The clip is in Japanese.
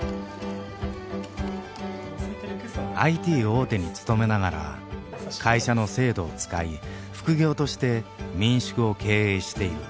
ＩＴ大手に勤めながら会社の制度を使い副業として民宿を経営している。